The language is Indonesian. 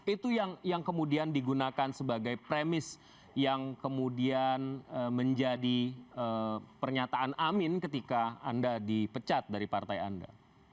itu yang kemudian digunakan sebagai premis yang kemudian menjadi pernyataan amin ketika anda dipecat dari partai anda